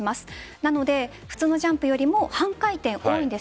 なので普通のジャンプよりも半回転多いんです。